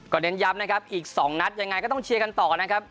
เน้นย้ำนะครับอีก๒นัดยังไงก็ต้องเชียร์กันต่อนะครับ